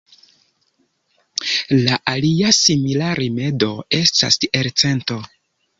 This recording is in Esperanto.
La alia simila rimedo estas elcento.